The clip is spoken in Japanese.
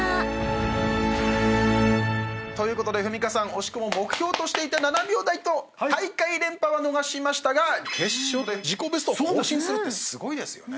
惜しくも目標としていた７秒台と大会連覇は逃しましたが決勝で自己ベストを更新するってすごいですよね。